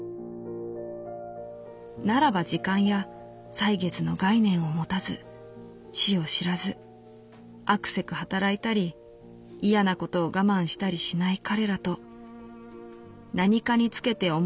「ならば時間や歳月の概念を持たず死を知らずあくせく働いたり嫌なことを我慢したりしない彼らとなにかにつけて思い